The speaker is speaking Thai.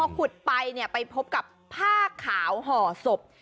ขุดไปไปพบกับผ้าขาวห่อศพ